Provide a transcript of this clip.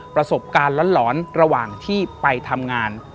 ประสบการณ์หลอนระหว่างที่ไปทำงาน